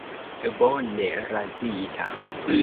Bone razita.